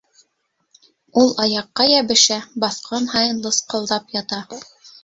Ул аяҡҡа йәбешә, баҫҡан һайын лысҡылдап ята.